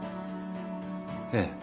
ええ。